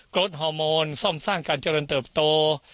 รถฮอร์โมนซ่อมสร้างการเจริญเติบโต